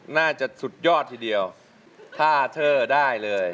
น่าจะสุดยอดทีเดียวท่าเทอร์ได้เลย